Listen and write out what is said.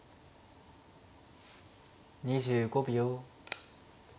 ２５秒。